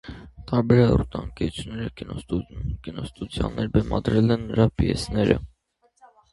Տարբեր հեռուստաընկերություններ, կինոստուդիաներ բեմադրել են նրա պիեսները։